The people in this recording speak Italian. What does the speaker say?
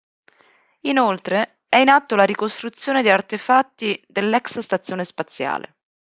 Inoltre, è in atto la ricostruzione di artefatti dell'ex stazione spaziale.